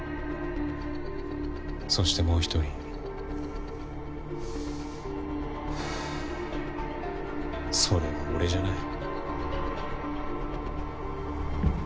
そしてもう１人それは俺じゃない。